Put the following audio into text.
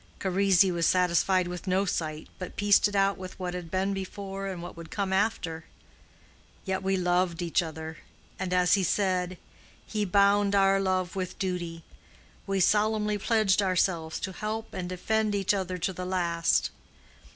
Charisi was satisfied with no sight, but pieced it out with what had been before and what would come after. Yet we loved each other, and as he said, he bound our love with duty; we solemnly pledged ourselves to help and defend each other to the last.